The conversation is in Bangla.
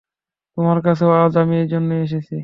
তোমার কাছেও আজ আমি এইজন্যেই এসেছি।